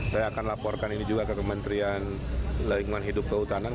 saya akan laporkan ini juga ke kementerian lingkungan hidup kehutanan